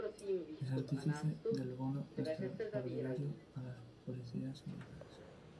Es artífice del Bono Extraordinario a los Policías y Militares.